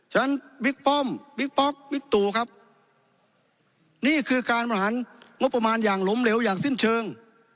ฉะนั้นบิ๊กป้อมบิ๊กป๊อกบิ๊กตูครับนี่คือการประหันงบประมาณอย่างล้มเหลวอย่างสิ้นเชิง